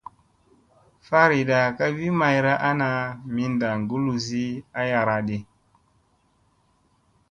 Fariɗa ka wi mayra ana minda kuluzi ayara ɗi.